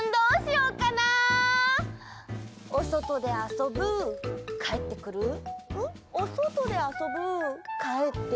おそとであそぶかえってくるおそとであそぶかえってくる。